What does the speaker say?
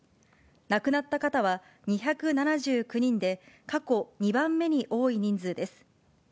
亡くなった方は２７９人で、過去２番目に多い人数です。